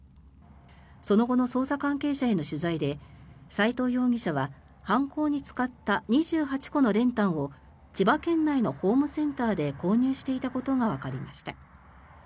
その後の捜査関係者への取材で齋藤容疑者は犯行に使った２８個の練炭を千葉県内のホームセンターで購入していたことがわかりました。